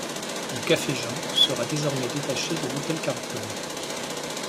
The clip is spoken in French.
Le Café Jean sera désormais détaché de l'hôtel Carlton.